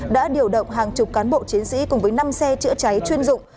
đã điều động hàng chục cán bộ chiến sĩ cùng với năm xe chữa cháy chuyên dụng